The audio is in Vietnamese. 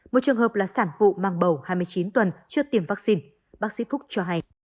một trường hợp là sản vụ mang bầu hai mươi chín tuần chưa tiêm vaccine bác sĩ phúc cho hay